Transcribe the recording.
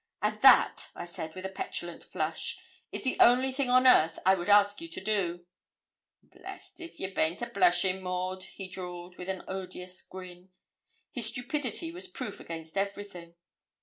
'And that,' I said, with a petulant flush, 'is the only thing on earth I would ask you to do.' 'Blessed if you baint a blushin', Maud,' he drawled, with an odious grin. His stupidity was proof against everything.